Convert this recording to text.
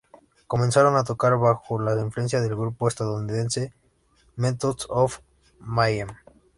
Comenzaron a tocar bajo la influencia del grupo estadounidense Methods of Mayhem.